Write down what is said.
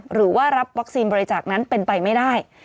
หรือว่ารับวัคซีนบริจาคนั้นเป็นไปไม่ได้